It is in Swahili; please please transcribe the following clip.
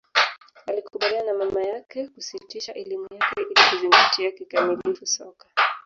alikubaliana na mama yake kusitisha elimu yake ili kuzingatia kikamilifu soka